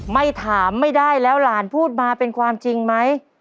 ไม่ถามไม่ได้แล้วหลานพูดมาเป็นความจริงไหม